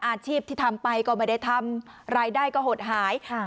อาชีพที่ทำไปก็ไม่ได้ทำรายได้ก็หดหาย